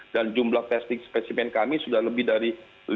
dan jumlah testing spesimen kami sudah lebih dari lima ratus empat puluh sembilan